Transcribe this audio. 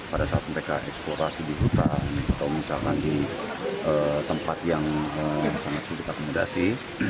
pada saat mereka eksplorasi di hutan atau misalkan di tempat yang sangat sulit akomodasi